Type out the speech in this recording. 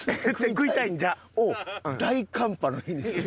「食いたいんじゃ！！」。を大寒波の日にするの？